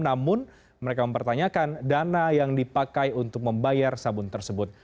namun mereka mempertanyakan dana yang dipakai untuk membayar sabun tersebut